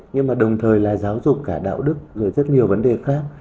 nhưng mà đồng thời là giáo dục cả đạo đức rồi rất nhiều vấn đề khác